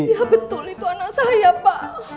iya betul itu anak saya pak